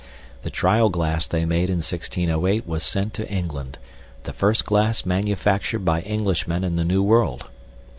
The trial glass they made in 1608 was sent to England the first glass manufactured by Englishmen in the New World.